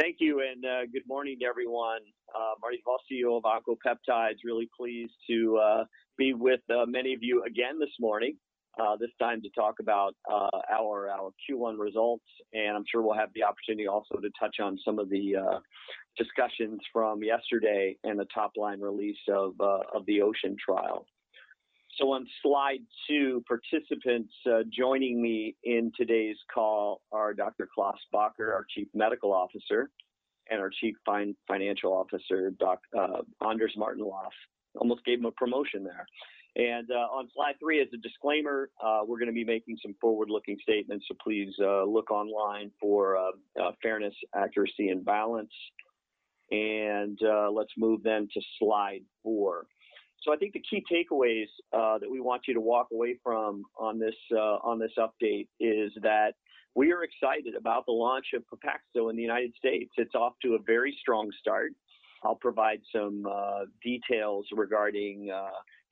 Thank you. Good morning, everyone. Marty Duvall, CEO of Oncopeptides. Really pleased to be with many of you again this morning, this time to talk about our Q1 results, and I'm sure we'll have the opportunity also to touch on some of the discussions from yesterday and the top-line release of the OCEAN trial. On slide two, participants joining me in today's call are Dr. Klaas Bakker, our Chief Medical Officer, and our Chief Financial Officer, Anders Martin-Löf. Almost gave him a promotion there. On slide three, as a disclaimer, we're going to be making some forward-looking statements, so please look online for fairness, accuracy, and balance. Let's move to slide four. I think the key takeaways that we want you to walk away from on this update is that we are excited about the launch of Pepaxto in the U.S. It's off to a very strong start. I'll provide some details regarding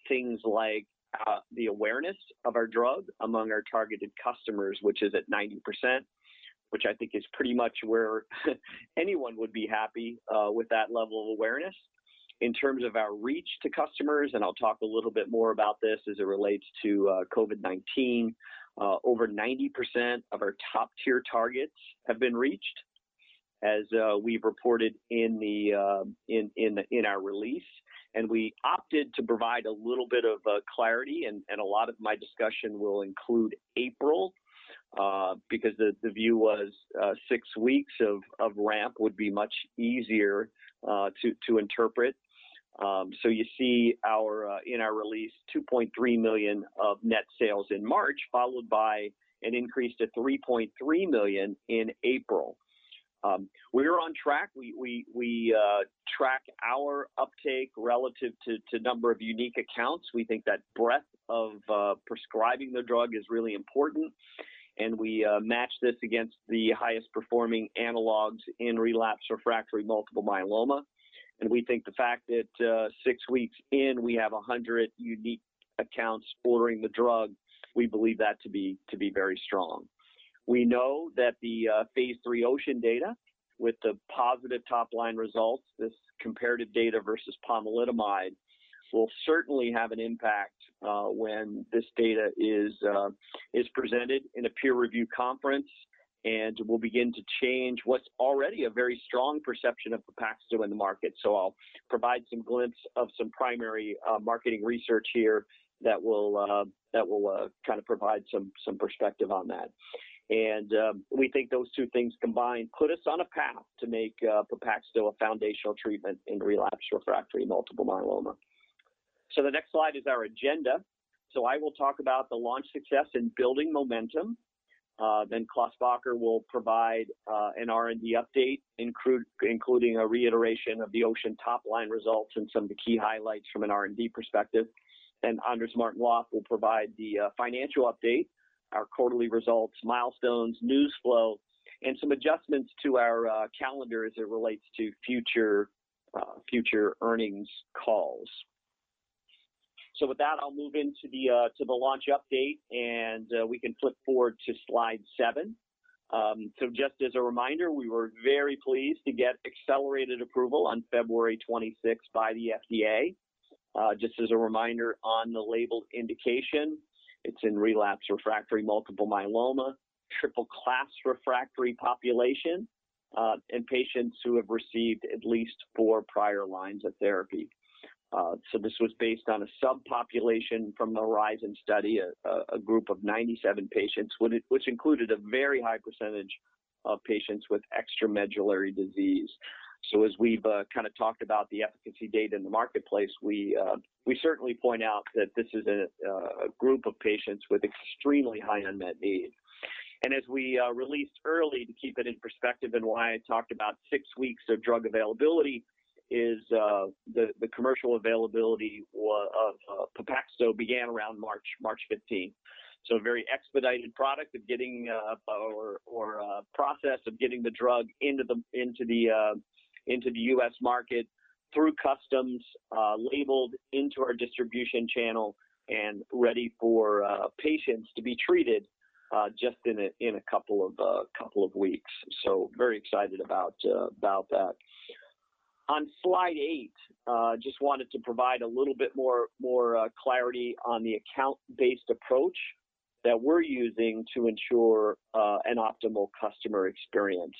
things like the awareness of our drug among our targeted customers, which is at 90%, which I think is pretty much where anyone would be happy with that level of awareness. In terms of our reach to customers, I'll talk a little bit more about this as it relates to COVID-19, over 90% of our top-tier targets have been reached, as we reported in our release. We opted to provide a little bit of clarity, a lot of my discussion will include April, because the view was six weeks of ramp would be much easier to interpret. You see in our release, $2.3 million of net sales in March, followed by an increase to $3.3 million in April. We are on track. We track our uptake relative to the number of unique accounts. We think that breadth of prescribing the drug is really important, and we match this against the highest-performing analogs in relapsed refractory multiple myeloma. We think the fact that six weeks in, we have 100 unique accounts ordering the drug, we believe that to be very strong. We know that the phase III OCEAN data with the positive top-line results, this comparative data versus pomalidomide, will certainly have an impact when this data is presented in a peer-review conference and will begin to change what's already a very strong perception of Pepaxto in the market. I'll provide some glimpse of some primary marketing research here that will provide some perspective on that. We think those two things combined put us on a path to make Pepaxto a foundational treatment in relapsed refractory multiple myeloma. The next slide is our agenda. I will talk about the launch success and building momentum, then Klaas Bakker will provide an R&D update, including a reiteration of the OCEAN top-line results and some of the key highlights from an R&D perspective. Anders Martin-Löf will provide the financial update, our quarterly results, milestones, news flow, and some adjustments to our calendar as it relates to future earnings calls. With that, I'll move into the launch update, and we can flip forward to slide seven. Just as a reminder, we were very pleased to get accelerated approval on February 26th by the FDA. Just as a reminder on the label indication, it's in relapsed refractory multiple myeloma, triple-class refractory population, in patients who have received at least four prior lines of therapy. This was based on a subpopulation from the HORIZON study, a group of 97 patients, which included a very high percentage of patients with extramedullary disease. As we've talked about the efficacy data in the marketplace, we certainly point out that this is a group of patients with extremely high unmet need. As we released early to keep it in perspective and why I talked about six weeks of drug availability is the commercial availability of Pepaxto began around March 15th. Very expedited product or process of getting the drug into the U.S. market through customs, labeled into our distribution channel, and ready for patients to be treated just in a couple of weeks. Very excited about that. On slide eight, just wanted to provide a little bit more clarity on the account-based approach that we're using to ensure an optimal customer experience.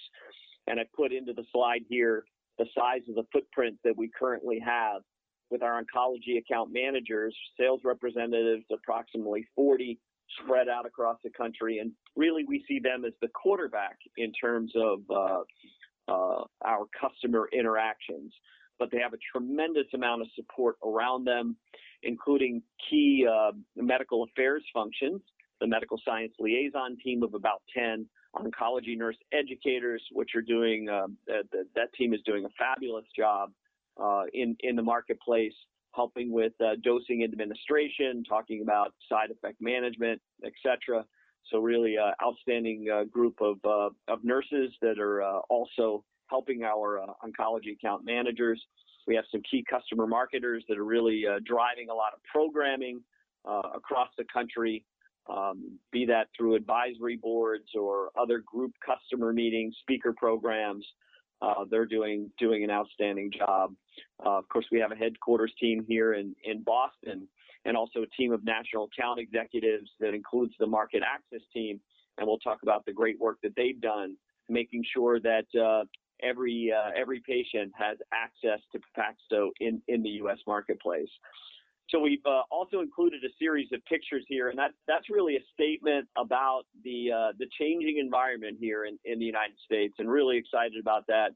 I put into the slide here the size of the footprint that we currently have with our oncology account managers, sales representatives, approximately 40 spread out across the country. Really, we see them as the quarterback in terms of our customer interactions. They have a tremendous amount of support around them, including key medical affairs functions, the medical science liaison team of about 10 oncology nurse educators, which that team is doing a fabulous job in the marketplace, helping with dosing administration, talking about side effect management, et cetera. Really outstanding group of nurses that are also helping our oncology account managers. We have some key customer marketers that are really driving a lot of programming across the country, be that through advisory boards or other group customer meetings, speaker programs, they're doing an outstanding job. Of course, we have a headquarters team here in Boston, and also a team of national account executives that includes the market access team, and we'll talk about the great work that they've done making sure that every patient has access to Pepaxto in the U.S. marketplace. We've also included a series of pictures here, and that's really a statement about the changing environment here in the U.S., and really excited about that,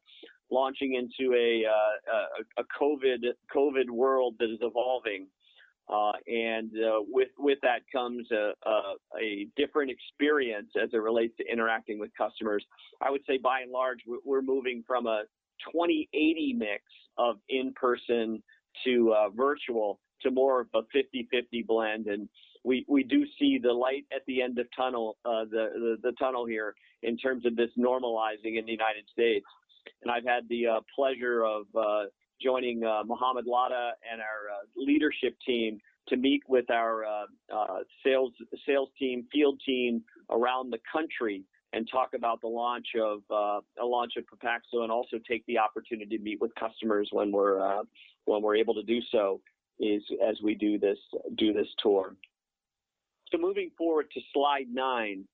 launching into a COVID world that is evolving. With that comes a different experience as it relates to interacting with customers. I would say by and large, we're moving from a 20/80 mix of in-person to virtual to more of a 50/50 blend. We do see the light at the end of the tunnel here in terms of this normalizing in the U.S. I've had the pleasure of joining Mohamed Ladha and our leadership team to meet with our sales team, field team around the country and talk about the launch of Pepaxto and also take the opportunity to meet with customers when we're able to do so as we do this tour. Moving forward to slide nine,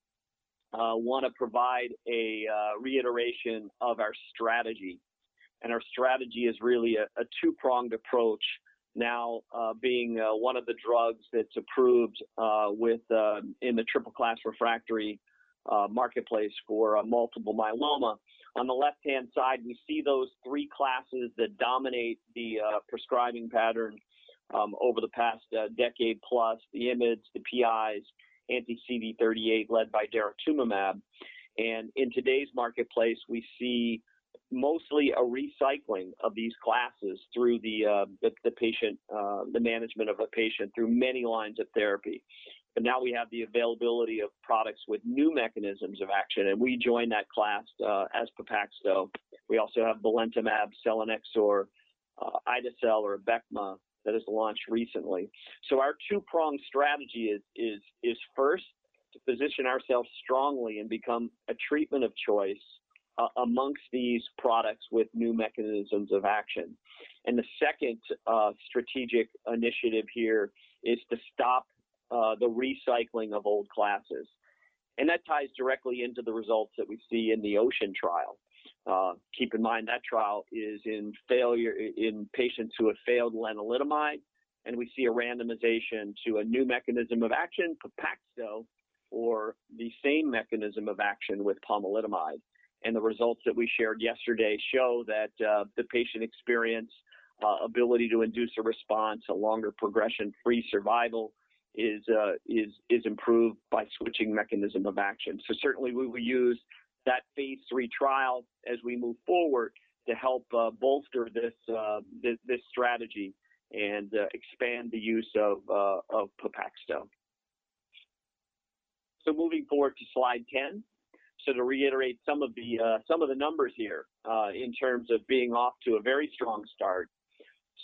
I want to provide a reiteration of our strategy. Our strategy is really a two-pronged approach, now being one of the drugs that's approved in the triple-class refractory marketplace for multiple myeloma. On the left-hand side, we see those three classes that dominate the prescribing pattern over the past decade plus, the IMiDs, the PIs, anti-CD38 led by daratumumab. In today's marketplace, we see mostly a recycling of these classes through the management of a patient through many lines of therapy. Now we have the availability of products with new mechanisms of action, and we join that class as Pepaxto. We also have belantamab selinexor, ide-cel or Abecma, that has launched recently. Our two-pronged strategy is first to position ourselves strongly and become a treatment of choice amongst these products with new mechanisms of action. The second strategic initiative here is to stop the recycling of old classes. That ties directly into the results that we see in the OCEAN trial. Keep in mind, that trial is in patients who have failed lenalidomide, and we see a randomization to a new mechanism of action, Pepaxto, or the same mechanism of action with pomalidomide. The results that we shared yesterday show that the patient experience, ability to induce a response, a longer progression-free survival is improved by switching mechanism of action. Certainly, we will use that phase III trial as we move forward to help bolster this strategy and expand the use of Pepaxto. Moving forward to slide 10. To reiterate some of the numbers here in terms of being off to a very strong start.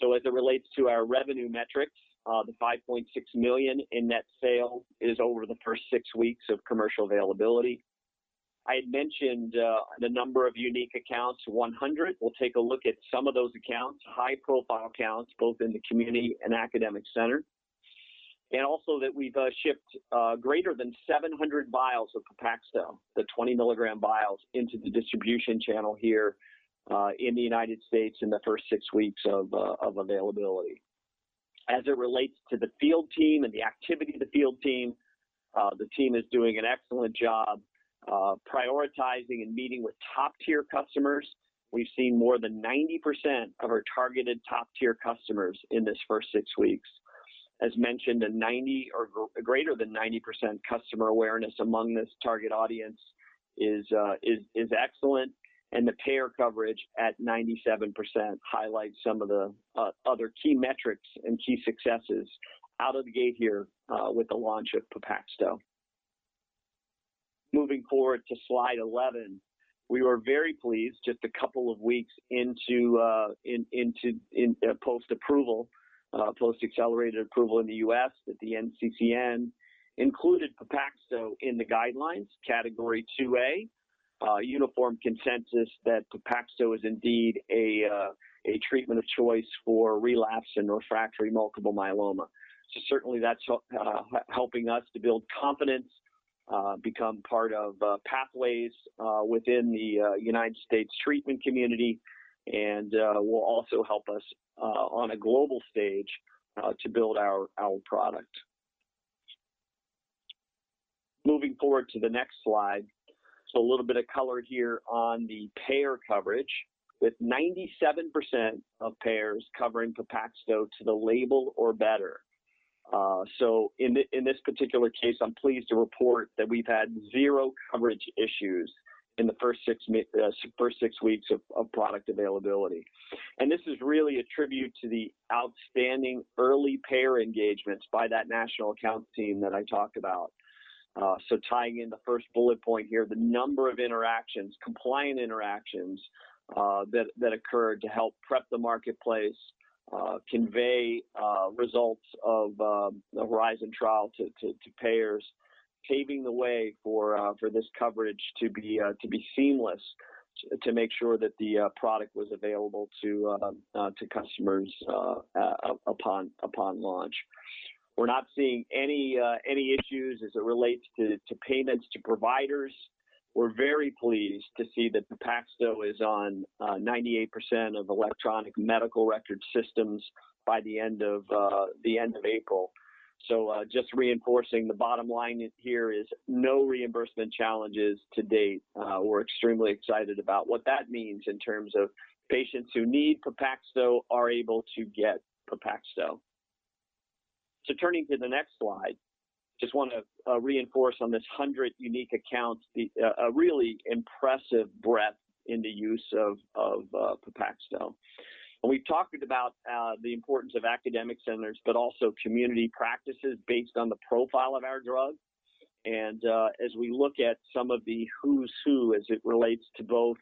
As it relates to our revenue metrics, the $5.6 million in net sale is over the first six weeks of commercial availability. I mentioned the number of unique accounts, 100. We'll take a look at some of those accounts, high-profile accounts, both in the community and academic centers. Also that we've shipped greater than 700 vials of Pepaxto, the 20 mg vials, into the distribution channel here in the U.S. in the first six weeks of availability. As it relates to the field team and the activity of the field team, the team is doing an excellent job prioritizing and meeting with top-tier customers. We've seen more than 90% of our targeted top-tier customers in this first six weeks. As mentioned, a greater than 90% customer awareness among this target audience is excellent, and the payer coverage at 97% highlights some of the other key metrics and key successes out of the gate here with the launch of Pepaxto. Moving forward to slide 11. We were very pleased just a couple of weeks post-accelerated approval in the U.S. that the NCCN included Pepaxto in the guidelines, Category 2A, uniform consensus that Pepaxto is indeed a treatment of choice for relapsed and refractory multiple myeloma. Certainly that's helping us to build confidence, become part of pathways within the United States treatment community, and will also help us on a global stage to build our product. Moving forward to the next slide. A little bit of color here on the payer coverage, with 97% of payers covering Pepaxto to the label or better. In this particular case, I'm pleased to report that we've had zero coverage issues in the first six weeks of product availability. This is really a tribute to the outstanding early payer engagements by that national account team that I talked about. Tying in the first bullet point here, the number of interactions, compliant interactions, that occurred to help prep the marketplace, convey results of the HORIZON trial to payers, paving the way for this coverage to be seamless to make sure that the product was available to customers upon launch. We are not seeing any issues as it relates to payments to providers. We are very pleased to see that Pepaxto is on 98% of electronic medical record systems by the end of April. Just reinforcing the bottom line here is no reimbursement challenges to date. We are extremely excited about what that means in terms of patients who need Pepaxto are able to get Pepaxto. Turning to the next slide, just want to reinforce on this 100 unique accounts, a really impressive breadth in the use of Pepaxto. We talked about the importance of academic centers, but also community practices based on the profile of our drug. As we look at some of the who's who as it relates to both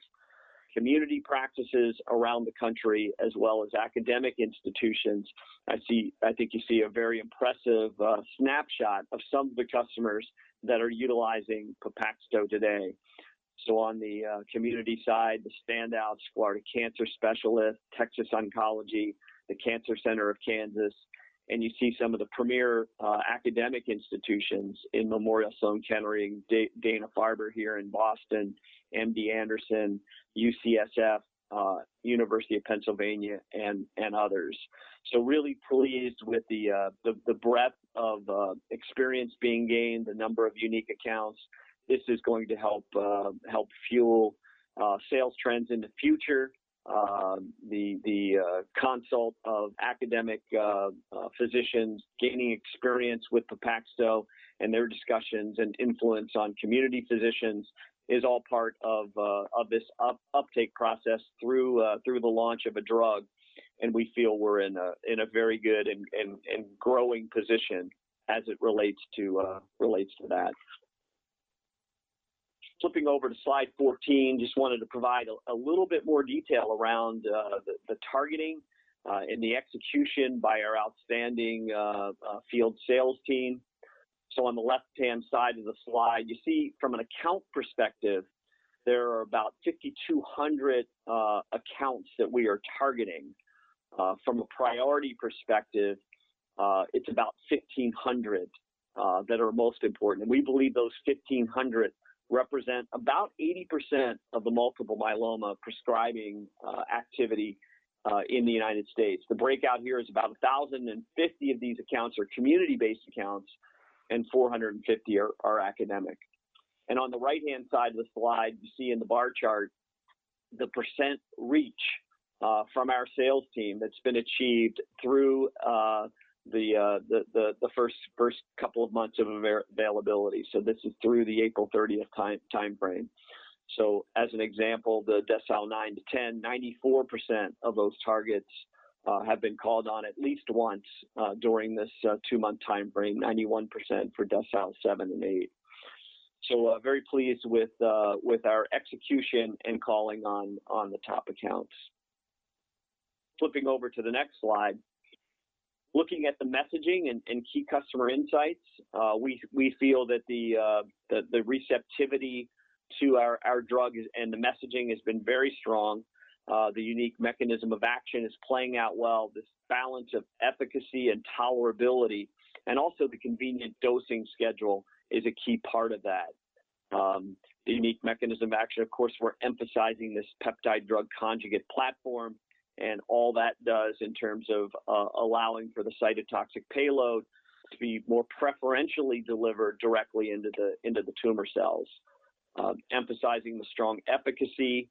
community practices around the country as well as academic institutions, I think you see a very impressive snapshot of some of the customers that are utilizing Pepaxto today. On the community side, the standouts Florida Cancer Specialists, Texas Oncology, the Cancer Center of Kansas, and you see some of the premier academic institutions in Memorial Sloan Kettering, Dana-Farber here in Boston, MD Anderson, UCSF, University of Pennsylvania, and others. Really pleased with the breadth of experience being gained, the number of unique accounts. This is going to help fuel sales trends in the future. The consult of academic physicians gaining experience with Pepaxto and their discussions and influence on community physicians is all part of this uptake process through the launch of a drug. We feel we're in a very good and growing position as it relates to that. Flipping over to slide 14, just wanted to provide a little bit more detail around the targeting and the execution by our outstanding field sales team. On the left-hand side of the slide, you see from an account perspective, there are about 5,200 accounts that we are targeting. From a priority perspective, it's about 1,500 that are most important, and we believe those 1,500 represent about 80% of the multiple myeloma prescribing activity in the United States. The breakdown here is about 1,050 of these accounts are community-based accounts and 450 are academic. On the right-hand side of the slide, you see in the bar chart the percent reach from our sales team that's been achieved through the first couple of months of availability. This is through the April 30th timeframe. As an example, the decile 9% to 10%, 94% of those targets have been called on at least once during this two-month timeframe, 91% for decile 7% and 8%. Very pleased with our execution and calling on the top accounts. Flipping over to the next slide. Looking at the messaging and key customer insights, we feel that the receptivity to our drug and the messaging has been very strong. The unique mechanism of action is playing out well. This balance of efficacy and tolerability and also the convenient dosing schedule is a key part of that. The unique mechanism of action, of course, we're emphasizing this peptide drug conjugate platform and all that does in terms of allowing for the cytotoxic payload to be more preferentially delivered directly into the tumor cells. Emphasizing the strong efficacy,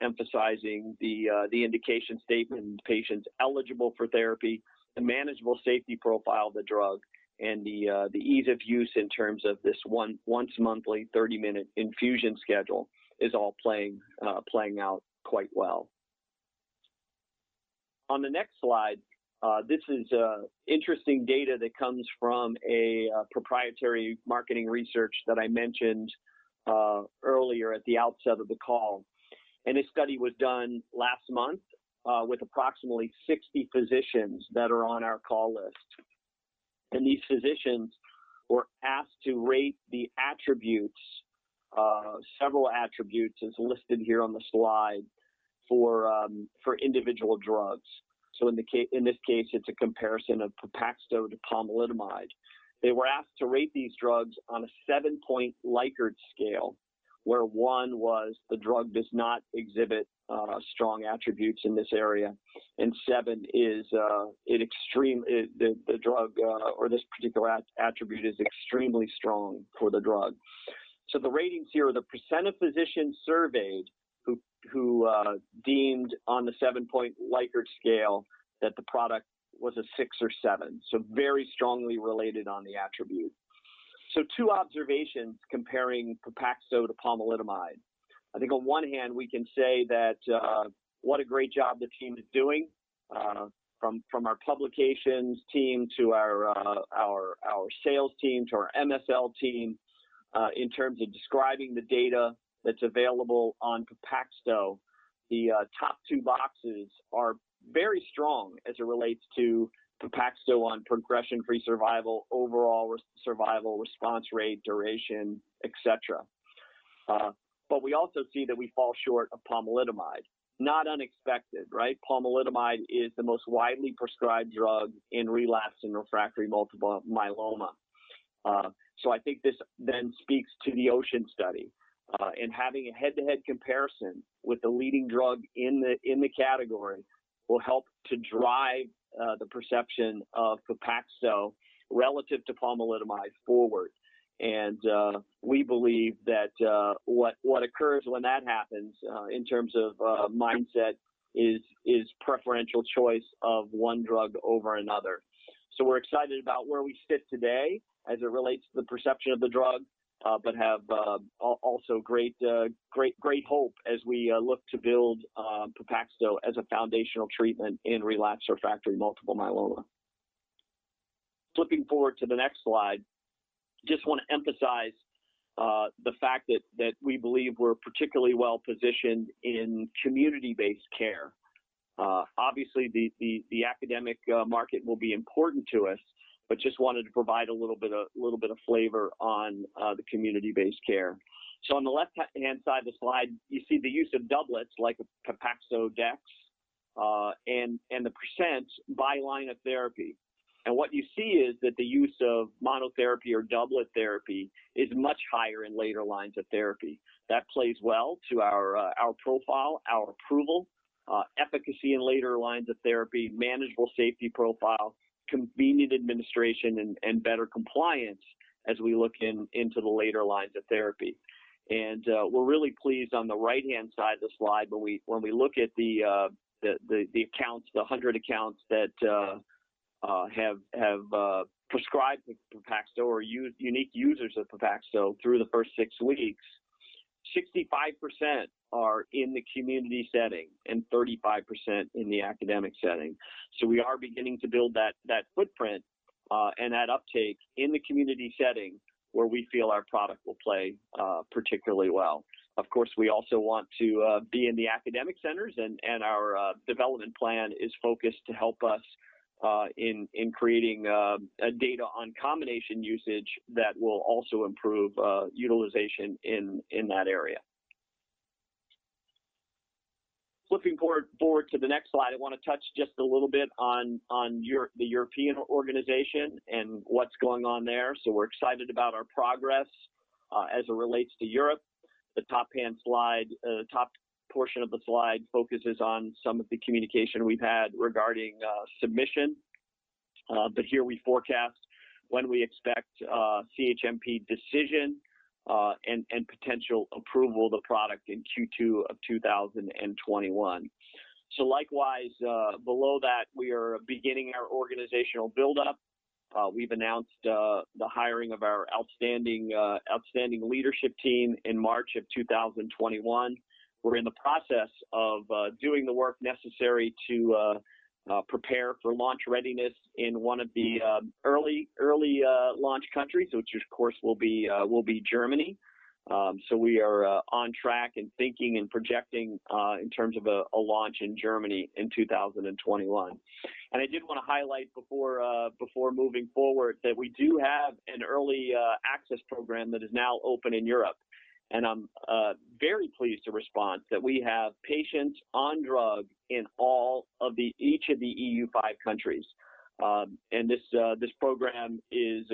emphasizing the indication statement and patients eligible for therapy, the manageable safety profile of the drug, and the ease of use in terms of this once-monthly 30-minute infusion schedule is all playing out quite well. On the next slide, this is interesting data that comes from a proprietary marketing research that I mentioned earlier at the outset of the call. This study was done last month with approximately 60 physicians that are on our call list. These physicians were asked to rate the attributes, several attributes as listed here on the slide, for individual drugs. In this case, it's a comparison of Pepaxto to pomalidomide. They were asked to rate these drugs on a seven-point Likert scale, where one was the drug does not exhibit strong attributes in this area, and seven is the drug or this particular attribute is extremely strong for the drug. The ratings here are the percent of physicians surveyed who deemed on a seven-point Likert scale that the product was a 6 or 7, so very strongly related on the attribute. On one hand, we can say that what a great job the team is doing, from our publications team to our sales teams, our MSL team, in terms of describing the data that's available on Pepaxto. The top two boxes are very strong as it relates to Pepaxto progression-free survival, overall survival, response rate, duration, et cetera. We also see that we fall short of pomalidomide. Not unexpected, right? Pomalidomide is the most widely prescribed drug in relapsed refractory multiple myeloma. I think this then speaks to the OCEAN study, and having a head-to-head comparison with the leading drug in the category will help to drive the perception of Pepaxto relative to pomalidomide forward. We believe that what occurs when that happens, in terms of mindset, is preferential choice of one drug over another. We're excited about where we sit today as it relates to the perception of the drug, but have also great hope as we look to build Pepaxto as a foundational treatment in relapsed refractory multiple myeloma. Flipping forward to the next slide, just want to emphasize the fact that we believe we're particularly well-positioned in community-based care. Obviously, the academic market will be important to us, but just wanted to provide a little bit of flavor on the community-based care. On the left-hand side of the slide, you see the use of doublets like Pepaxto/dex, and the percent by line of therapy. What you see is that the use of monotherapy or doublet therapy is much higher in later lines of therapy. That plays well to our profile, our approval, efficacy in later lines of therapy, manageable safety profile, convenient administration, and better compliance as we look into the later lines of therapy. We're really pleased on the right-hand side of the slide when we look at the 100 accounts that have prescribed Pepaxto or unique users of Pepaxto through the first six weeks, 65% are in the community setting and 35% in the academic setting. We are beginning to build that footprint and that uptake in the community setting where we feel our product will play particularly well. Of course, we also want to be in the academic centers, and our development plan is focused to help us in creating data on combination usage that will also improve utilization in that area. Looking forward to the next slide, I want to touch just a little bit on the European organization and what's going on there. We're excited about our progress as it relates to Europe. The top portion of the slide focuses on some of the communication we've had regarding submission. Here we forecast when we expect CHMP decision and potential approval of the product in Q2 of 2021. Likewise, below that, we are beginning our organizational buildup. We've announced the hiring of our outstanding leadership team in March of 2021. We're in the process of doing the work necessary to prepare for launch readiness in one of the early launch countries, which of course will be Germany. We are on track and thinking and projecting in terms of a launch in Germany in 2021. I did want to highlight before moving forward that we do have an early access program that is now open in Europe. I'm very pleased to respond that we have patients on drug in all of each of the EU5 countries. This program is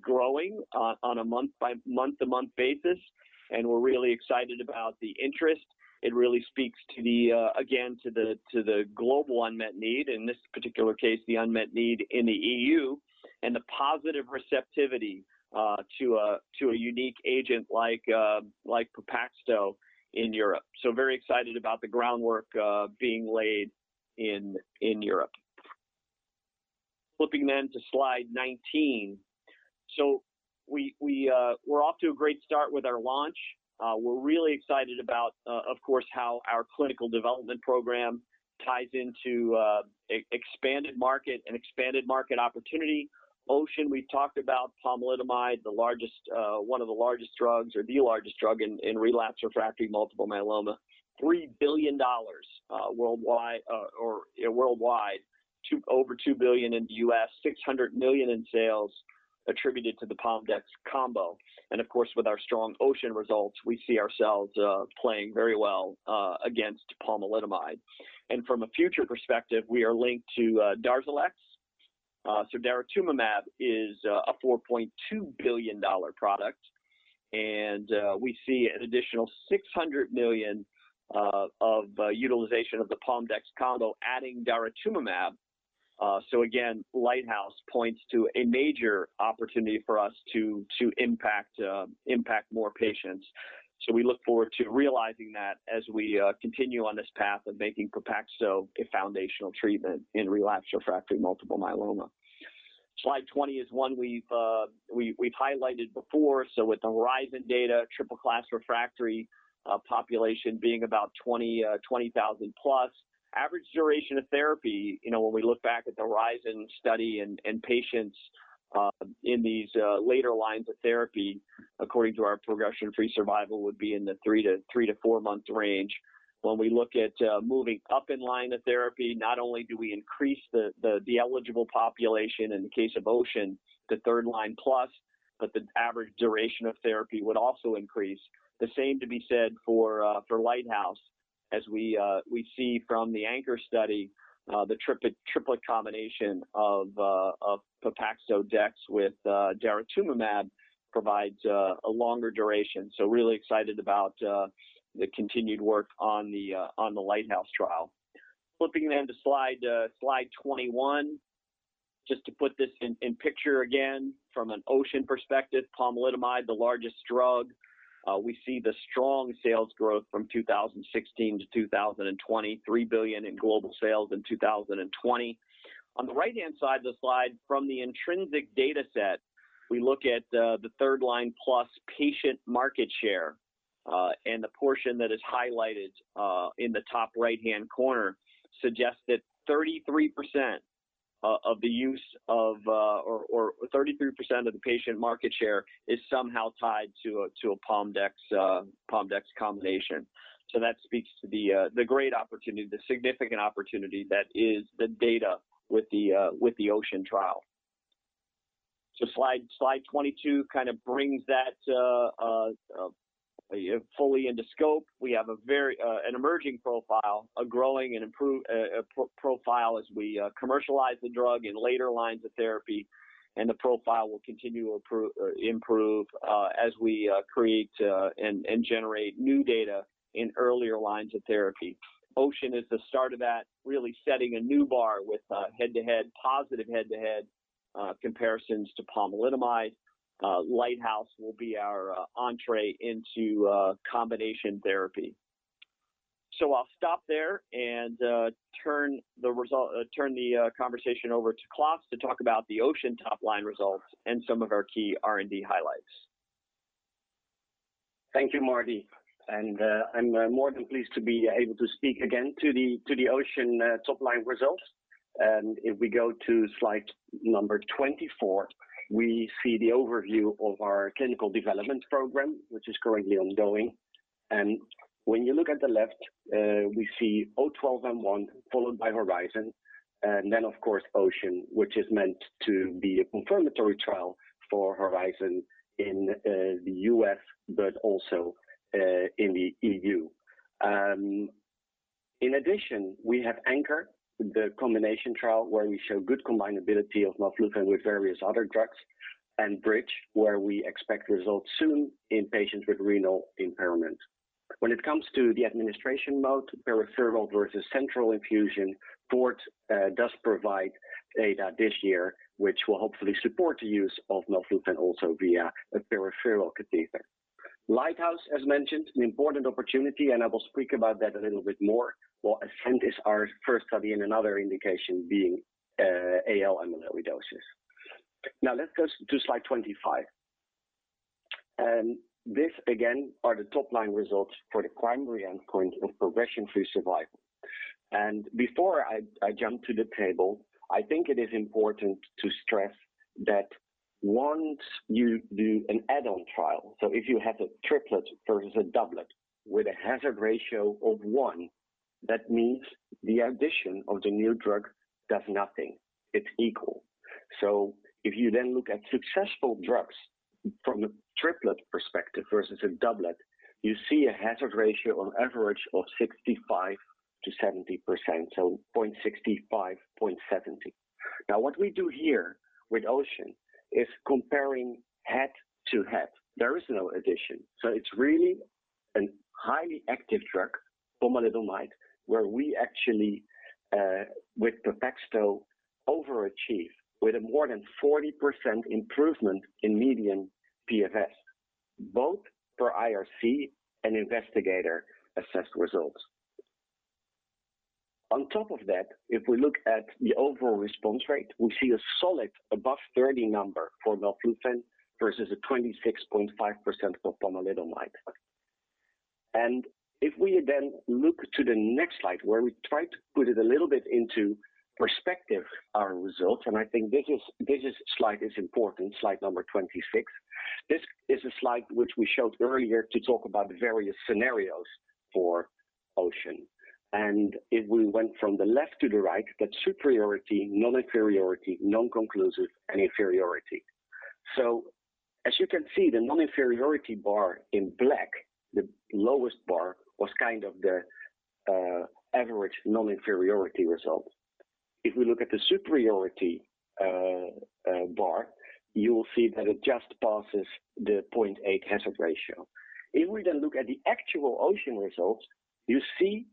growing on a month-to-month basis, and we're really excited about the interest. It really speaks, again, to the global unmet need, in this particular case, the unmet need in the EU, and the positive receptivity to a unique agent like Pepaxto in Europe. Very excited about the groundwork being laid in Europe. Flipping then to slide 19. We're off to a great start with our launch. We're really excited about, of course, how our clinical development program ties into expanded market and expanded market opportunity. OCEAN, we talked about pomalidomide, one of the largest drugs or the largest drug in relapsed refractory multiple myeloma, $3 billion worldwide, over $2 billion in the U.S., $600 million in sales attributed to the Pom/dex combo. Of course, with our strong OCEAN results, we see ourselves playing very well against pomalidomide. From a future perspective, we are linked to DARZALEX. Daratumumab is a $4.2 billion product, and we see an additional $600 million of utilization of the Pom/dex combo adding daratumumab. Again, LIGHTHOUSE points to a major opportunity for us to impact more patients. We look forward to realizing that as we continue on this path of making Pepaxto a foundational treatment in relapsed refractory multiple myeloma. Slide 20 is one we've highlighted before. With the HORIZON data, triple-class refractory population being about 20,000 plus. Average duration of therapy, when we look back at the HORIZON study and patients in these later lines of therapy, according to our progression-free survival, would be in the three to four-month range. When we look at moving up in line of therapy, not only do we increase the eligible population in the case of OCEAN, the third-line-plus, but the average duration of therapy would also increase. The same to be said for LIGHTHOUSE, as we see from the ANCHOR study, the triplet combination of Pepaxto dex with daratumumab provides a longer duration. Really excited about the continued work on the LIGHTHOUSE trial. Flipping then to slide 21, just to put this in picture again, from an OCEAN perspective, pomalidomide, the largest drug. We see the strong sales growth from 2016 to 2020, $3 billion in global sales in 2020. On the right-hand side of the slide, from the intrinsic dataset, we look at the third-line-plus patient market share. The portion that is highlighted in the top right-hand corner suggests that 33% of the patient market share is somehow tied to a Pom/dex combination. That speaks to the great opportunity, the significant opportunity that is the data with the OCEAN trial. Slide 22 brings that fully into scope. We have a very emerging profile, a growing profile as we commercialize the drug in later lines of therapy, and the profile will continue to improve as we create and generate new data in earlier lines of therapy. OCEAN is the start of that, really setting a new bar with positive head-to-head comparisons to pomalidomide. LIGHTHOUSE will be our entrée into combination therapy. I'll stop there and turn the conversation over to Klaas to talk about the OCEAN top-line results and some of our key R&D highlights. Thank you, Marty. I'm more than pleased to be able to speak again to the OCEAN top-line results. If we go to slide number 24, we see the overview of our clinical development program, which is currently ongoing. When you look at the left, we see O-12-M1 followed by HORIZON, and then, of course, OCEAN, which is meant to be a confirmatory trial for HORIZON in the U.S., but also in the EU In addition, we have ANCHOR, the combination trial, where we show good combinability of melflufen with various other drugs, and BRIDGE, where we expect results soon in patients with renal impairment. When it comes to the administration mode, peripheral versus central infusion, PORT does provide data this year, which will hopefully support the use of melflufen also via a peripheral catheter. LIGHTHOUSE, as mentioned, an important opportunity, and I will speak about that a little bit more, what I think is our first study in another indication being AL amyloidosis. Now let's go to slide 25. This again, are the top-line results for the primary endpoint of progression-free survival. Before I jump to the table, I think it is important to stress that once you do an add-on trial, so if you have a triplet versus a doublet with a hazard ratio of one, that means the addition of the new drug does nothing. It's equal. If you then look at successful drugs from a triplet perspective versus a doublet, you see a hazard ratio on average of 65%-70%, so 0.65, 0.70. Now, what we do here with OCEAN is comparing head-to-head. There is no addition. It's really a highly active drug, pomalidomide, where we actually, with Pepaxto, overachieve with a more than 40% improvement in median PFS, both for IRC and investigator-assessed results. On top of that, if we look at the overall response rate, we see a solid above 30 for melflufen versus a 26.5% for pomalidomide. If we look to the next slide, where we try to put it a little bit into perspective, our results, and I think this slide is important, slide number 26. This is a slide which we showed earlier to talk about various scenarios for OCEAN. If we went from the left to the right, that superiority, non-inferiority, non-conclusive, and inferiority. As you can see, the non-inferiority bar in black, the lowest bar, was the average non-inferiority result. If we look at the superiority bar, you'll see that it just passes the 0.8 hazard ratio. If we look at the actual OCEAN results, you see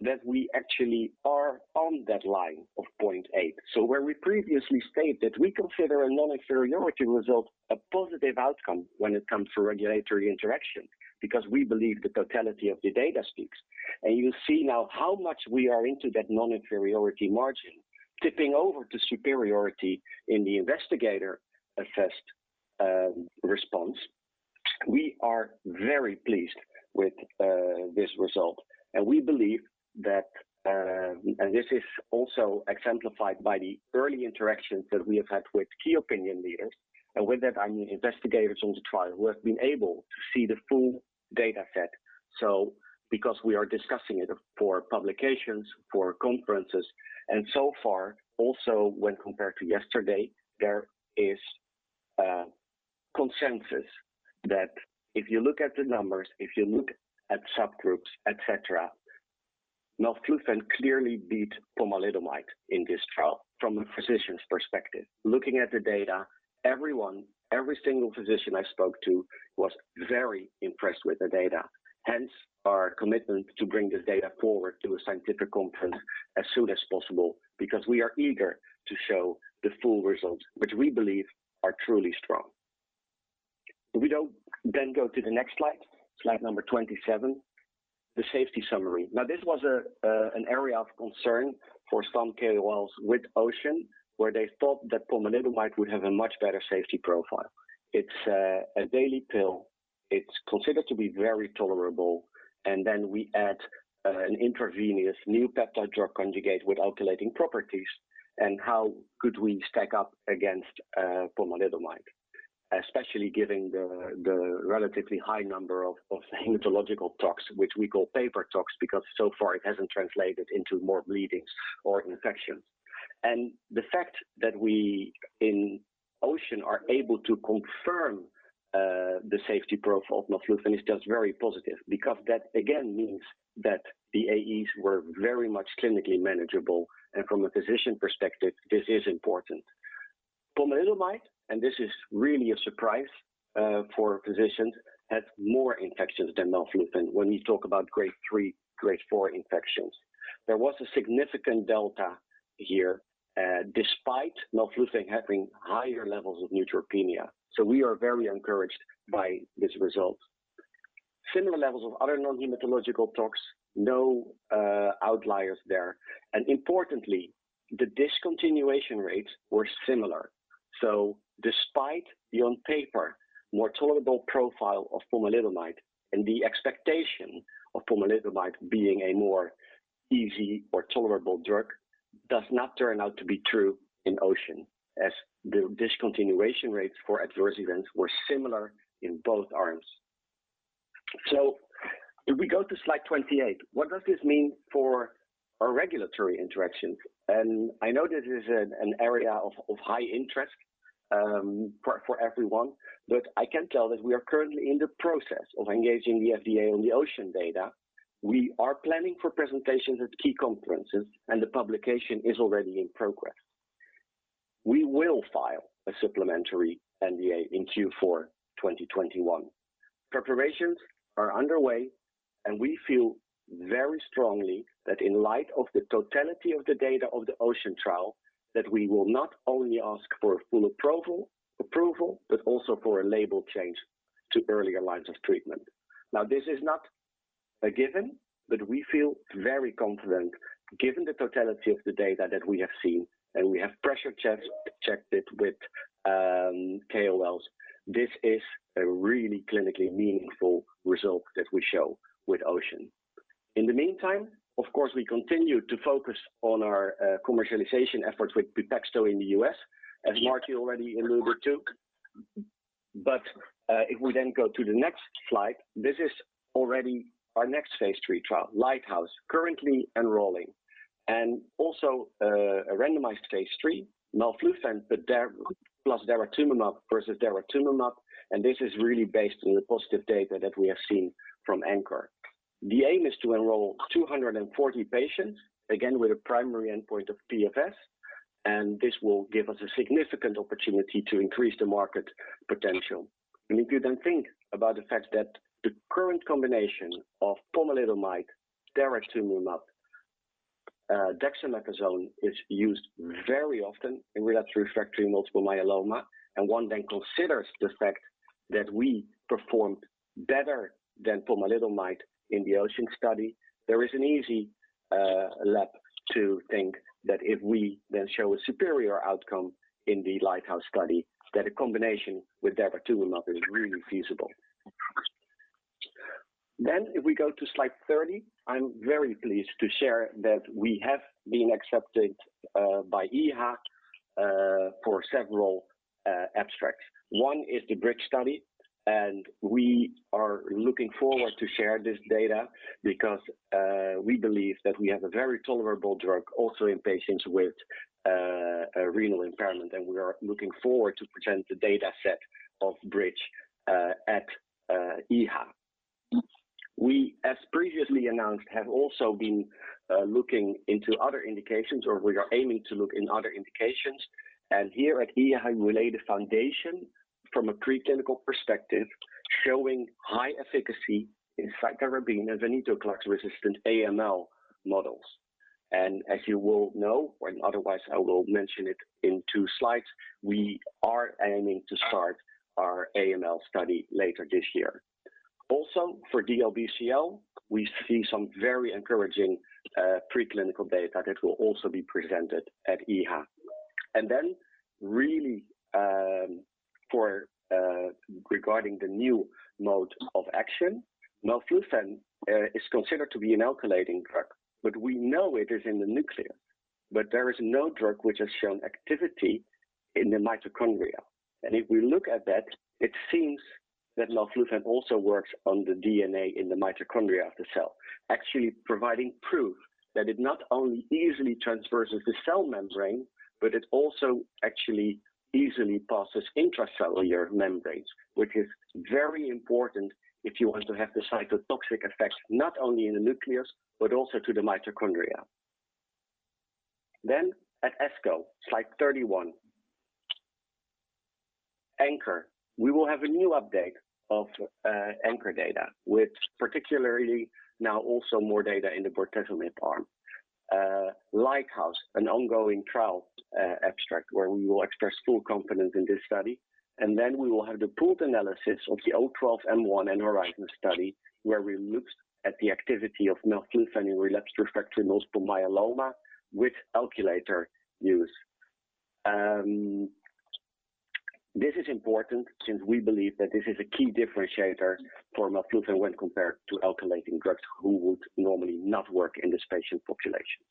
that we actually are on that line of 0.8. Where we previously state that we consider a non-inferiority result a positive outcome when it comes to regulatory interaction, because we believe the totality of the data speaks. And you see now how much we are into that non-inferiority margin, tipping over to superiority in the investigator-assessed response. We are very pleased with this result. This is also exemplified by the early interactions that we have had with key opinion leaders, and with that, I mean investigators on the trial who have been able to see the full data set. Because we are discussing it for publications, for conferences, and so far, also when compared to yesterday, there is consensus that if you look at the numbers, if you look at subgroups, et cetera, melflufen clearly beat pomalidomide in this trial from a physician's perspective. Looking at the data, everyone, every single physician I spoke to was very impressed with the data, hence our commitment to bring this data forward to a scientific conference as soon as possible, because we are eager to show the full results, which we believe are truly strong. If we go to the next slide number 27, the safety summary. This was an area of concern for some KOLs with OCEAN, where they thought that pomalidomide would have a much better safety profile. It's a daily pill. It's considered to be very tolerable. We add an intravenous new peptide drug conjugate with alkylating properties, and how could we stack up against pomalidomide, especially given the relatively high number of hematological tox, which we call paper tox, because so far it hasn't translated into more bleeding or infections. The fact that we in OCEAN are able to confirm the safety profile of melflufen is just very positive because that again means the AEs were very much clinically manageable, and from a physician perspective, this is important. Pomalidomide, and this is really a surprise for physicians, had more infections than melflufen when you talk about grade III, grade IV infections. There was a significant delta here, despite melflufen having higher levels of neutropenia. We are very encouraged by this result. Similar levels of other non-hematological tox, no outliers there. Importantly, the discontinuation rates were similar. Despite the on-paper, more tolerable profile of pomalidomide, and the expectation of pomalidomide being a more easy or tolerable drug, does not turn out to be true in OCEAN, as the discontinuation rates for adverse events were similar in both arms. If we go to slide 28, what does this mean for our regulatory interactions? I know that this is an area of high interest for everyone, but I can tell that we are currently in the process of engaging the FDA in the OCEAN data. We are planning for presentations at key conferences, and the publication is already in progress. We will file a supplementary NDA in Q4 2021. Preparations are underway. We feel very strongly that in light of the totality of the data of the OCEAN trial, that we will not only ask for a full approval, but also for a label change to earlier lines of treatment. This is not a given, but we feel very confident given the totality of the data that we have seen, and we have pressure-checked it with KOLs. This is a really clinically meaningful result that we show with OCEAN. In the meantime, of course, we continue to focus on our commercialization efforts with Pepaxto in the U.S., as Marty already alluded to. If we go to the next slide, this is already our next phase III trial, LIGHTHOUSE, currently enrolling. Also a randomized phase III, melflufen plus daratumumab versus daratumumab. This is really based on the positive data that we have seen from ANCHOR. The aim is to enroll 240 patients, again, with a primary endpoint of PFS. This will give us a significant opportunity to increase the market potential. If you then think about the fact that the current combination of pomalidomide, daratumumab, dexamethasone is used very often in relapsed/refractory multiple myeloma, one then considers the fact that we performed better than pomalidomide in the OCEAN study. There is an easy leap to think that if we then show a superior outcome in the LIGHTHOUSE study, that a combination with daratumumab is really feasible. If we go to slide 30, I'm very pleased to share that we have been accepted by EHA for several abstracts. One is the BRIDGE study. We are looking forward to share this data because we believe that we have a very tolerable drug also in patients with renal impairment. We are looking forward to present the data set of BRIDGE at EHA. We, as previously announced, have also been looking into other indications. We are aiming to look in other indications. Here at EHA, we laid a foundation from a preclinical perspective, showing high efficacy in cytarabine and venetoclax resistant AML models. As you will know, otherwise I will mention it in two slides, we are aiming to start our AML study later this year. Also, for DLBCL, we see some very encouraging preclinical data that will also be presented at EHA. Really regarding the new mode of action, melflufen is considered to be an alkylating drug. We know it is in the nucleus, but there is no drug which has shown activity in the mitochondria. If we look at that, it seems that melflufen also works on the DNA in the mitochondria of the cell, actually providing proof that it not only easily transverses the cell membrane, but it also actually easily passes intracellular membranes, which is very important if you want to have the cytotoxic effects, not only in the nucleus, but also to the mitochondria. At ASCO, slide 31. ANCHOR. We will have a new update of ANCHOR data with particularly now also more data in the bortezomib arm. LIGHTHOUSE, an ongoing trial abstract where we will express full confidence in this study. We will have the pooled analysis of the O-12-M1 and HORIZON study, where we looked at the activity of melflufen in relapsed/refractory multiple myeloma with alkylator use. This is important since we believe that this is a key differentiator for melflufen when compared to alkylating drugs who would normally not work in this patient population.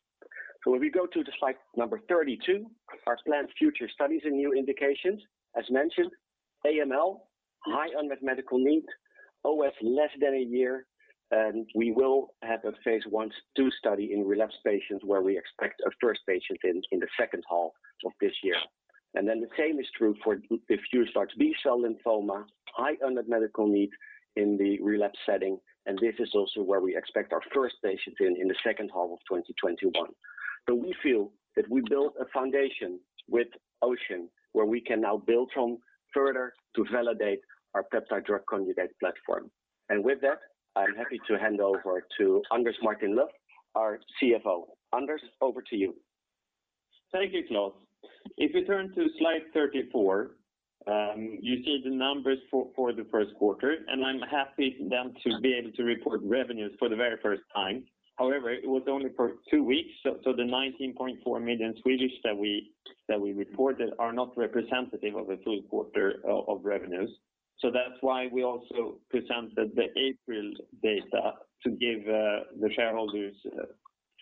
We go to the slide number 32, our planned future studies and new indications. As mentioned, AML, high unmet medical need, OS less than one year. We will have a phase I/II study in relapsed patients where we expect our first patient in in the second half of this year. The same is true for diffuse large B-cell lymphoma, high unmet medical need in the relapsed setting. This is also where we expect our first patient in in the second half of 2021. We feel that we built a foundation with OCEAN where we can now build from further to validate our peptide drug conjugate platform. With that, I am happy to hand over to Anders Martin-Löf, our CFO. Anders, over to you. Thank you, Klaas. If you turn to slide 34, you see the numbers for the first quarter, I'm happy then to be able to report revenues for the very first time. It was only for two weeks, the 19.4 million that we reported are not representative of a full quarter of revenues. That's why we also presented the April data to give the shareholders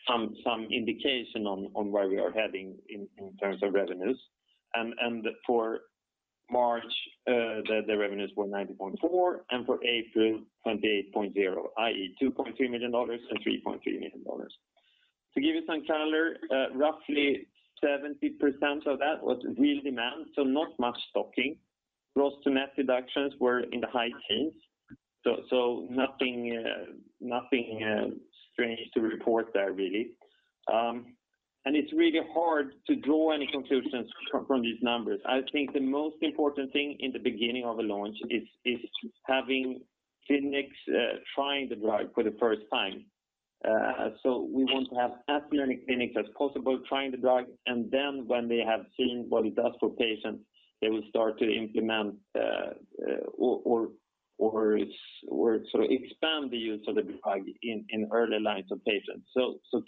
some indication on where we are heading in terms of revenues. For March, the revenues were 19.4 million, for April, 28.0 million, i.e., $2.3 million and $3.3 million. To give you some color, roughly 70% of that was real demand, so not much stocking. Gross-to-net deductions were in the high teens, so nothing strange to report there really. It's really hard to draw any conclusions from these numbers. I think the most important thing in the beginning of a launch is having clinics trying the drug for the first time. We want to have as many clinics as possible trying the drug, and then when they have seen what it does for patients, they will start to implement or expand the use of the drug in early lines of patients.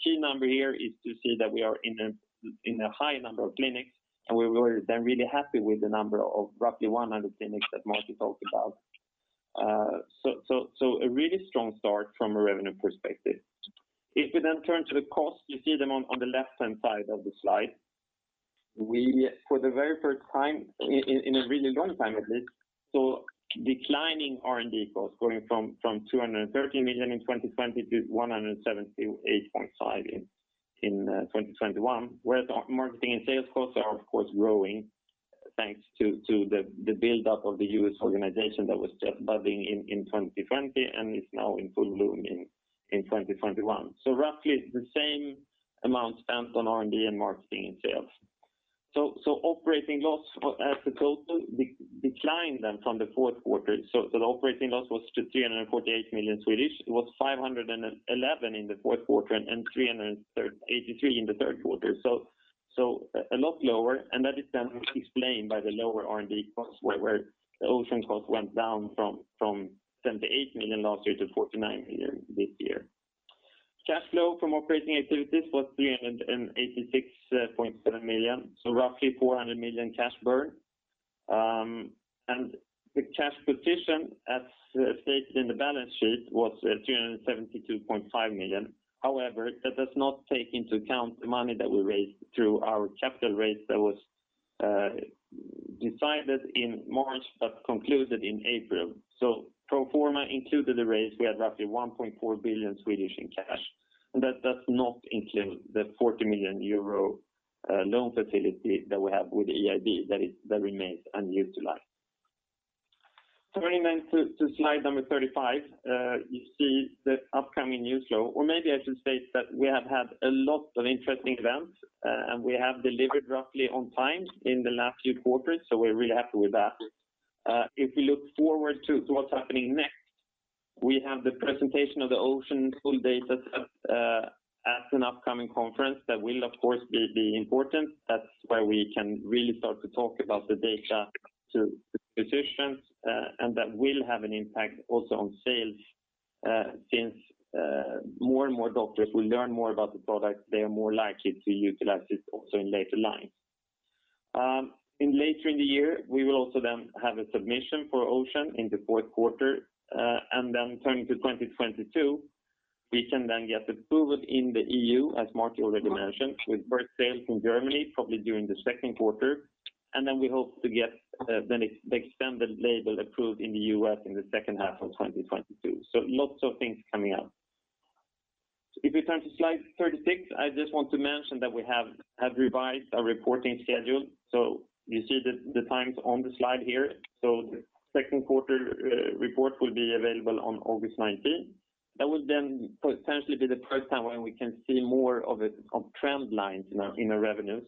Key number here is to see that we are in a high number of clinics, and we were really happy with the number of roughly 100 clinics that Marty talked about. A really strong start from a revenue perspective. If you then turn to the cost, you see them on the left-hand side of the slide. We, for the very first time in a really long time, I think, saw declining R&D costs going from 230 million in 2020 to 178.5 in 2021. Marketing and sales costs are of course growing thanks to the build-up of the U.S. organization that was budding in 2020 and is now in full bloom in 2021. Roughly the same amount spent on R&D and marketing sales. Operating loss as a total declined then from the fourth quarter. The operating loss was 348 million. It was 511 million in the fourth quarter and 383 million in the third quarter. A lot lower, and that is then explained by the lower R&D costs, where the OCEAN costs went down from 78 million last year to 49 million this year. Cash flow from operating activities was 386.7 million, roughly 400 million cash burn. The cash position as stated in the balance sheet was 372.5 million. However, that does not take into account the money that we raised through our capital raise that was decided in March but concluded in April. Pro forma included the raise, we have roughly 1.4 billion in cash. That does not include the 40 million euro loan facility that we have with the EIB that remains unused. Moving to slide 35, you see the upcoming news flow. Maybe I should state that we have had a lot of interesting events, and we have delivered roughly on time in the last few quarters, so we're really happy with that. If you look forward to what's happening next. We have the presentation of the OCEAN full data set at an upcoming conference. That will, of course, be important. That's why we can really start to talk about the data to physicians. That will have an impact also on sales, since more and more doctors will learn more about the product. They are more likely to utilize it also in later lines. Later in the year, we will also then have a submission for OCEAN in the fourth quarter. Going to 2022, we can then get approval in the EU, as Marty already mentioned, with first sales in Germany probably during the second quarter. We hope to get the extended label approved in the U.S. in the second half of 2022. Lots of things coming up. If we turn to slide 36, I just want to mention that we have revised our reporting schedule. You see the times on the slide here. The second quarter report will be available on August 19th. That would then potentially be the first time when we can see more of a trend line in our revenues.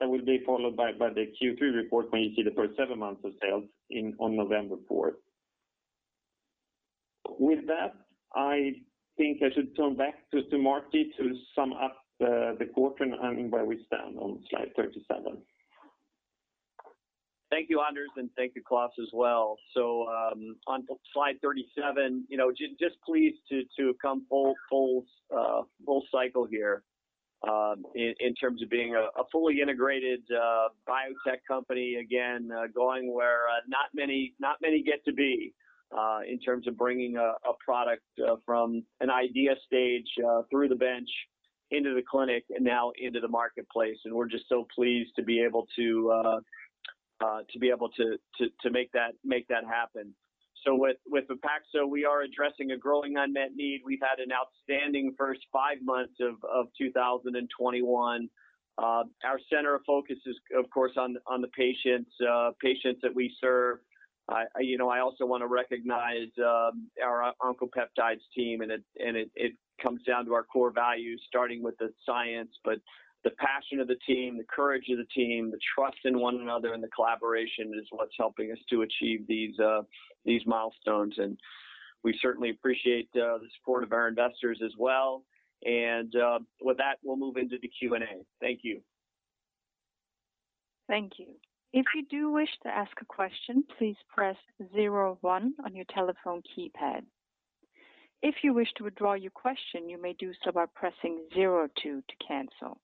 That will be followed by the Q3 report when you see the first seven months of sales on November 4th. With that, I think I should turn back to Marty to sum up the quarter and where we stand on slide 37. Thank you, Anders, and thank you, Klaas, as well. On slide 37, just pleased to come full cycle here in terms of being a fully integrated biotech company again going where not many get to be in terms of bringing a product from an idea stage through the bench into the clinic and now into the marketplace, and we're just so pleased to be able to make that happen. With Pepaxto, we are addressing a growing unmet need. We've had an outstanding first five months of 2021. Our center of focus is, of course, on the patients that we serve. I also want to recognize our Oncopeptides team. It comes down to our core values, starting with the science, but the passion of the team, the courage of the team, the trust in one another, and the collaboration is what's helping us to achieve these milestones. We certainly appreciate the support of our investors as well. With that, we'll move into the Q&A. Thank you. Thank you. If you wish to ask a question, please press zero one on your telephone keypad. If you wish to withdraw your question, you may do so by pressing zero two to cancel.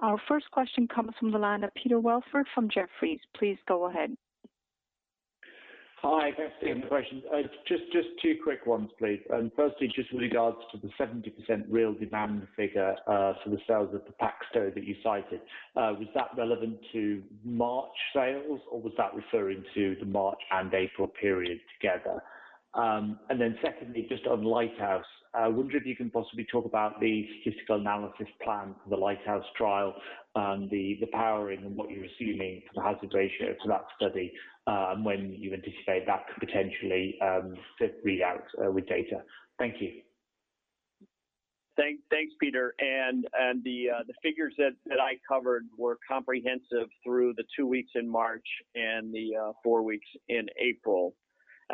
Our first question comes from the line of Peter Welford from Jefferies. Please go ahead. Hi. Thanks for taking the question. Just two quick ones, please. Firstly, just with regards to the 70% real demand figure for the sales of Pepaxto that you cited, was that relevant to March sales, or was that referring to the March and April period together? Secondly, just on LIGHTHOUSE, I wonder if you can possibly talk about the statistical analysis plan for the LIGHTHOUSE trial, the powering and what you're assuming for the hazard ratio for that study, and when you anticipate that to potentially read out with data. Thank you. Thanks, Peter. The figures that I covered were comprehensive through the two weeks in March and the four weeks in April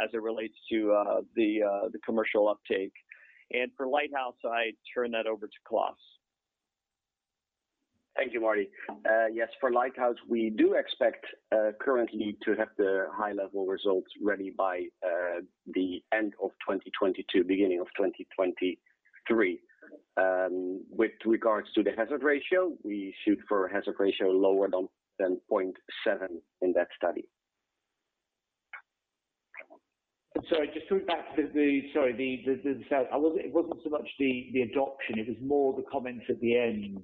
as it relates to the commercial uptake. For LIGHTHOUSE, I turn that over to Klaas. Thank you, Marty. Yes, for LIGHTHOUSE, we do expect currently to have the high-level results ready by the end of 2022, beginning of 2023. With regards to the hazard ratio, we shoot for a hazard ratio lower than 0.7 in that study. Sorry, just going back to the sales. It wasn't so much the adoption, it was more the comment at the end,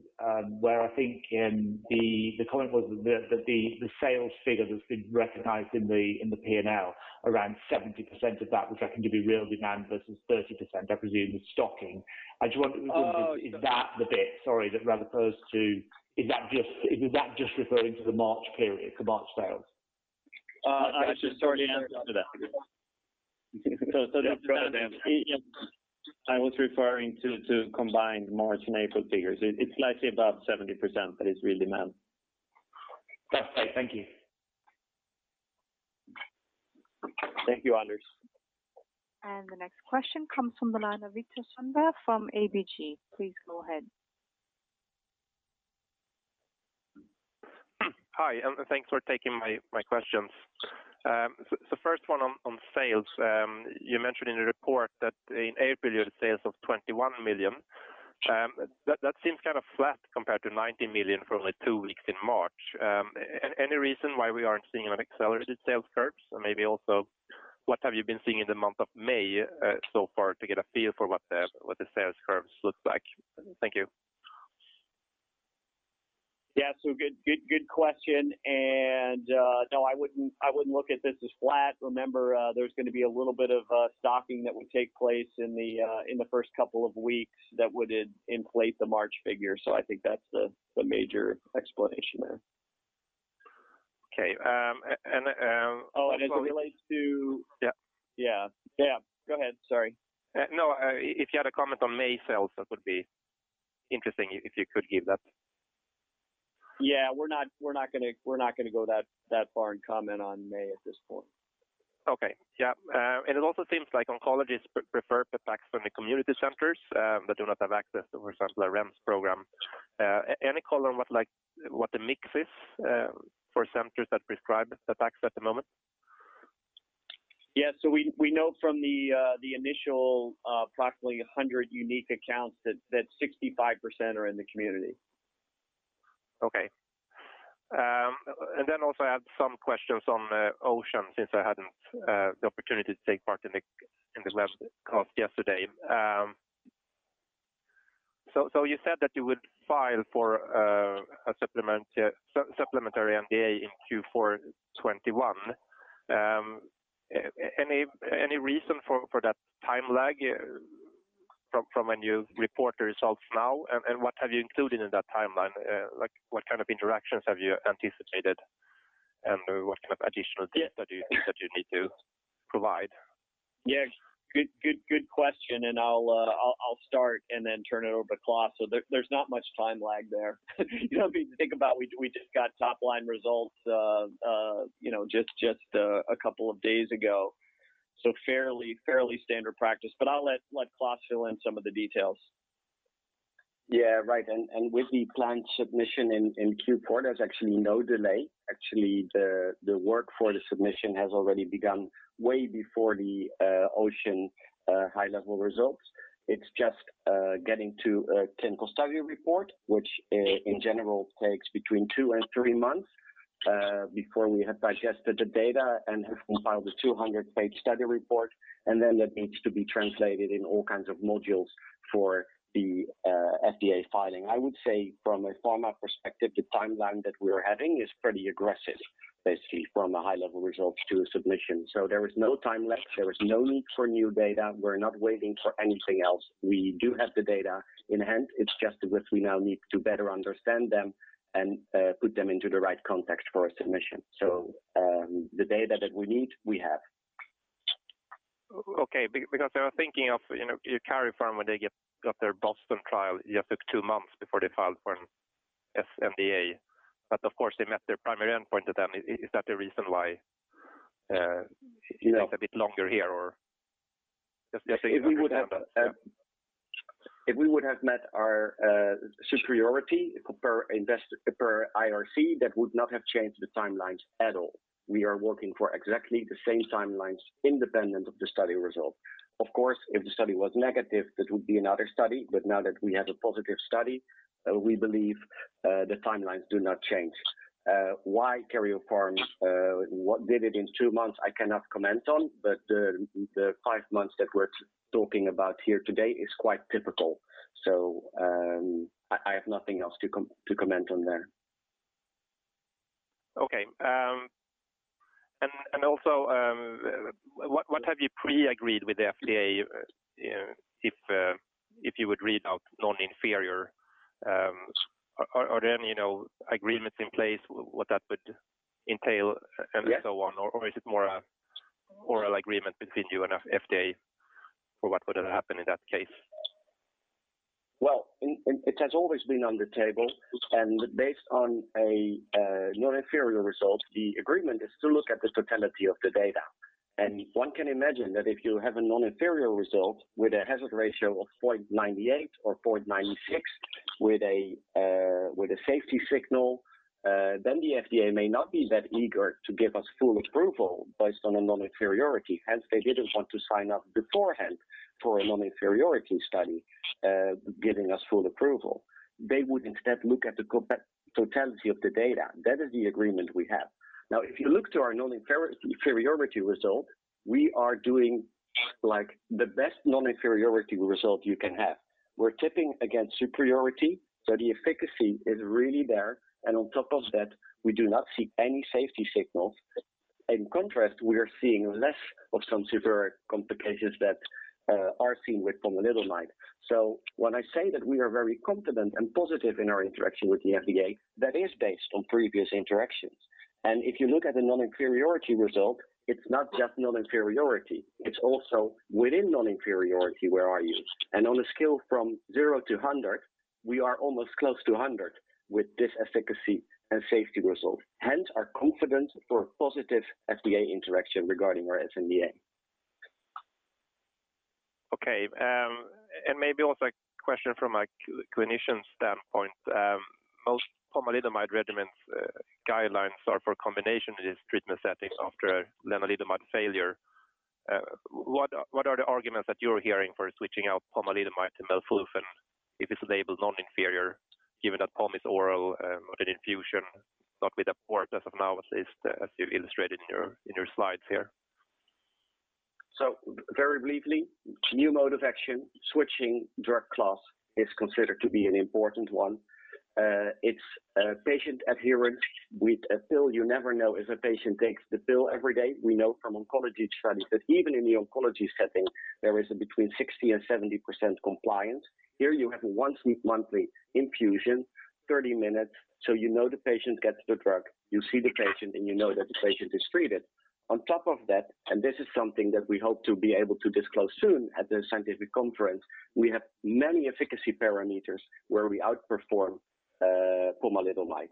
where I think the comment was that the sales figure that's been recognized in the P&L, around 70% of that, which I can be real demand versus 30%, I presume is stocking. I just wonder is that the bit, sorry, that refers to Is that just referring to the March period, the March sales? I just already answered that. Okay. I was referring to the combined March and April figures. It's slightly above 70%. It's real demand. Perfect. Thank you. Thank you, Anders. The next question comes from the line of Viktor Sundberg from ABG. Please go ahead. Hi, everyone. Thanks for taking my questions. The first one on sales. You mentioned in the report that in April, you had sales of 21 million. That seems kind of flat compared to 19 million from the two weeks in March. Any reason why we aren't seeing an accelerated sales curve? Maybe also, what have you been seeing in the month of May so far to get a feel for what the sales curves look like? Thank you. Yeah. Good question. No, I wouldn't look at this as flat. Remember, there's going to be a little bit of stocking that would take place in the first couple of weeks that would inflate the March figures. I think that's the major explanation there. Okay. And as it relates to- Yeah. Yeah. Go ahead. Sorry. No. If you had a comment on May sales, that would be interesting if you could give that. Yeah, we're not going to go that far and comment on May at this point. Okay. Yeah. It also seems like oncologists prefer Pepaxto for the community centers that do not have access to, for example, the REMS program. Any color on what the mix is for centers that prescribe Pepaxto at the moment? Yeah. We know from the initial approximately 100 unique accounts that 65% are in the community. Okay. Also I had some questions on the OCEAN since I hadn't the opportunity to take part in the webcast yesterday. You said that you would file for a supplementary NDA in Q4 2021. Any reason for that time lag from when you report the results now, and what have you included in that timeline? What kind of interactions have you anticipated, and what kind of additional data do you think that you need to provide? Yeah. Good question. I'll start and then turn it over to Klaas. There's not much time lag there. You don't need to think about it. We just got top-line results just a couple of days ago, so fairly standard practice, but I'll let Klaas fill in some of the details. Yeah, right. With the planned submission in Q4, there's actually no delay. Actually, the work for the submission has already begun way before the OCEAN high-level results. It's just getting to a clinical study report, which in general takes between two and three months, before we have digested the data and have compiled a 200-page study report, and then that needs to be translated in all kinds of modules for the FDA filing. I would say from a pharma perspective, the timeline that we're having is pretty aggressive, basically, from high-level results to a submission. There is no time left. There is no need for new data. We're not waiting for anything else. We do have the data in hand. It's just that we now need to better understand them and put them into the right context for a submission. The data that we need, we have. Okay, I was thinking of Karyopharm when they got their BOSTON trial, they have two months before they filed for an sNDA. Of course, they met their primary endpoint. Is that the reason why it's a bit longer here? If we would have met our superiority per IRC, that would not have changed the timelines at all. We are working for exactly the same timelines independent of the study result. Of course, if the study was negative, this would be another study. Now that we have a positive study, we believe the timelines do not change. Why Karyopharm did it in two months, I cannot comment on. The five months that we're talking about here today is quite typical. I have nothing else to comment on there. Okay. Also, what have you pre-agreed with the FDA if you would read out non-inferior? Are there any agreements in place, what that would entail and so on? Is it more an oral agreement between you and FDA for what would have happened in that case? Well, it has always been on the table, and based on a non-inferior result, the agreement is to look at the totality of the data. One can imagine that if you have a non-inferior result with a hazard ratio of 0.98 or 0.96 with a safety signal, then the FDA may not be that eager to give us full approval based on a non-inferiority, hence they didn't want to sign up beforehand for a non-inferiority study, giving us full approval. They would instead look at the totality of the data. That is the agreement we have. Now, if you look to our non-inferiority result, we are doing the best non-inferiority result you can have. We're tipping against superiority. The efficacy is really there, and on top of that, we do not see any safety signals. In contrast, we are seeing less of some severe complications that are seen with pomalidomide. When I say that we are very confident and positive in our interaction with the FDA, that is based on previous interactions. If you look at the non-inferiority result, it is not just non-inferiority, it is also within non-inferiority where are you? On a scale from zero to 100, we are almost close to 100 with this efficacy and safety result. Hence our confidence for a positive FDA interaction regarding our sNDA. Okay. Maybe also a question from a clinician standpoint. Most pomalidomide regimens guidelines are for combination with this treatment setting after lenalidomide failure. What are the arguments that you're hearing for switching out pomalidomide to melflufen if this enables non-inferior, given that pom is oral of an infusion, but with a poor benefit analysis as you illustrated in your slides here? Very briefly, new mode of action, switching drug class is considered to be an important one. It's patient adherence with a pill. You never know if a patient takes the pill every day. We know from oncology studies that even in the oncology setting, there is between 60% and 70% compliance. Here you have a once-a-month infusion, 30 minutes, so you know the patient gets the drug. You see the patient, and you know that the patient is treated. On top of that, and this is something that we hope to be able to disclose soon at the scientific conference, we have many efficacy parameters where we outperform pomalidomide.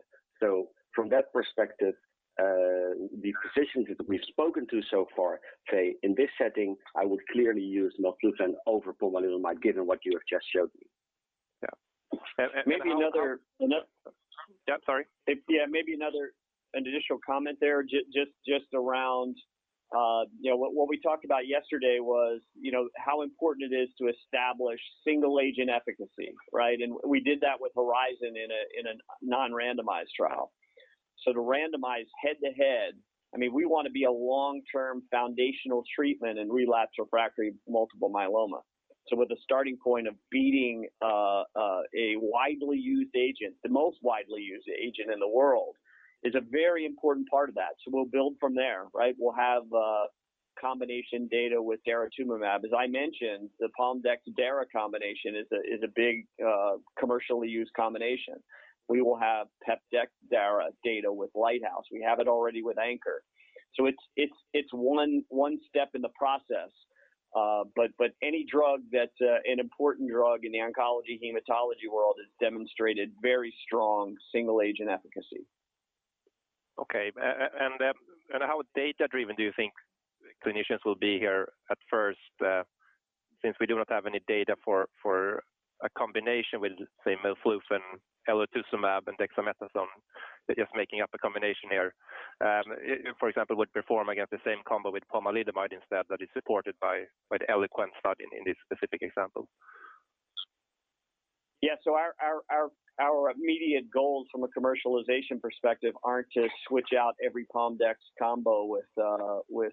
From that perspective, the physicians that we've spoken to so far say, "In this setting, I would clearly use melflufen over pomalidomide, given what you have just showed me. Yeah. Maybe another additional comment there, just around what we talked about yesterday was, how important it is to establish single-agent efficacy, right? We did that with HORIZON in a non-randomized trial. To randomize head-to-head, we want to be a long-term foundational treatment in relapsed refractory multiple myeloma. With a starting point of beating a widely used agent, the most widely used agent in the world, is a very important part of that. We'll build from there, right? We'll have combination data with daratumumab. As I mentioned, the Pom/dex/dara combination is a big commercially used combination. We will have Pep/dex data with LIGHTHOUSE. We have it already with ANCHOR. It's one step in the process. Any drug that's an important drug in the oncology hematology world has demonstrated very strong single-agent efficacy. Okay. How data-driven do you think clinicians will be here at first, since we don't have any data for a combination with, say, melflufen, elotuzumab, and dexamethasone, just making up a combination here, for example, with performing at the same combo with pomalidomide instead that is supported by the ELOQUENT study in this specific example? Our immediate goals from a commercialization perspective aren't to switch out every Pom/dex combo with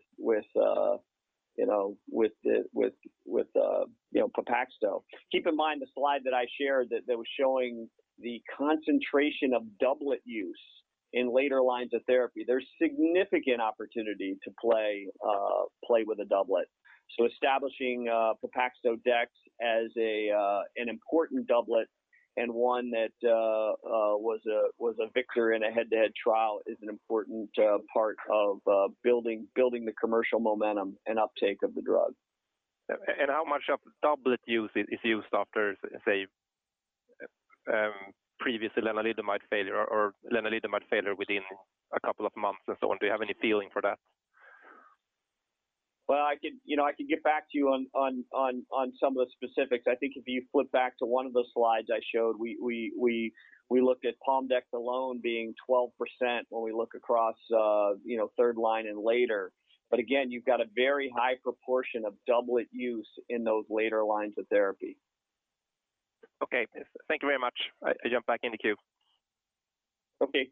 Pepaxto. Keep in mind the slide that I shared that was showing the concentration of doublet use in later lines of therapy. There's significant opportunity to play with a doublet. Establishing Pepaxto/dex as an important doublet, and one that was a victory in a head-to-head trial is an important part of building the commercial momentum and uptake of the drug. How much of the doublet use is used after, say, previous lenalidomide failure or lenalidomide failure within a couple of months and so on? Do you have any feeling for that? Well, I can get back to you on some of the specifics. I think if you flip back to one of the slides I showed, we looked at Pom/dex alone being 12% when we look across third line and later. Again, you've got a very high proportion of doublet use in those later lines of therapy. Okay. Thank you very much. I jump back in the queue. Okay.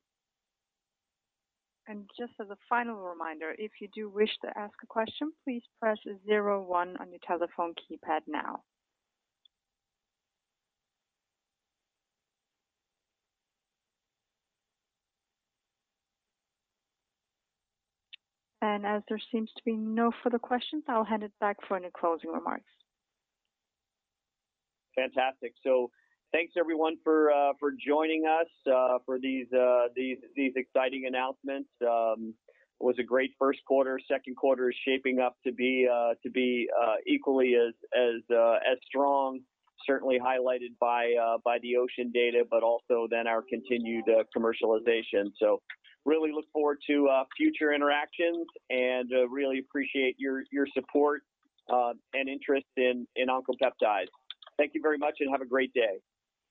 Just as a final reminder, if you do wish to ask a question, please press zero one on your telephone keypad now. As there seems to be no further questions, I'll hand it back for any closing remarks. Fantastic. Thanks everyone for joining us for these exciting announcements. It was a great first quarter. Second quarter is shaping up to be equally as strong, certainly highlighted by the OCEAN data, but also then our continued commercialization. Really look forward to future interactions and really appreciate your support and interest in Oncopeptides. Thank you very much, and have a great day.